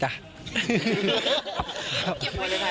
เขาเก็บไว้เลย